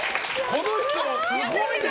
この人はすごいね！